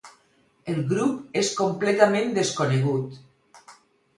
El grup és completament desconegut.